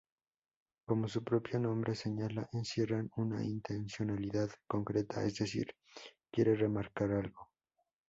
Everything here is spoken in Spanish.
Como su propio nombre señala, encierran una intencionalidad concreta, es decir, quiere remarcar algo.